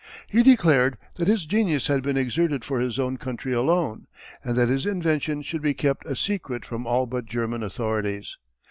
He declared that his genius had been exerted for his own country alone, and that his invention should be kept a secret from all but German authorities.